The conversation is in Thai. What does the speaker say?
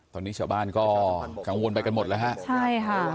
ตอนนี้ชาวบ้านก็กังวลไปกันหมดแล้วฮะใช่ค่ะ